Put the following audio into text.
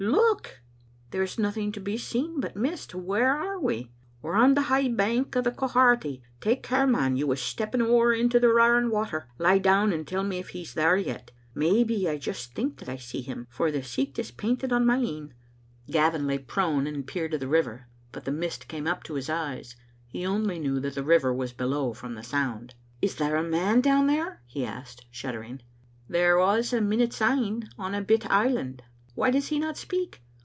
Look!" There is nothing to be seen but mist ; where are we?" "We're on the high bank o' the Quharity. Take care, man; you was stepping ower into the roaring water. Lie down and tell me if he's there yet. Maybe I just think that I see him, for the sicht is painted on my een." Digitized by VjOOQ IC Dain— Ai0t— Cbe 5awd* SM Gavin lay prone and peered at the river, but the mist came up to his eyes. He only knew that the river was below from the sound. " Is there a man down there?" he asked, shuddering. There was a minute syne ; on a bit island. " "Why does he not speak?"